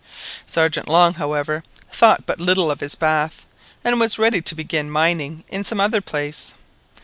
Sergeant Long, however, thought but little of his bath, and was ready to begin mining in some other place.